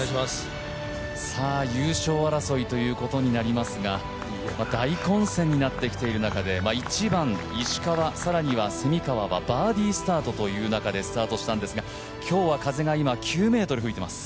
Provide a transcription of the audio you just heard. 優勝争いということになりますが、大混戦になってきている中で、１番、石川、さらに蝉川はバーディースタートでスタートしたんですが今日は風が今９メートル吹いています。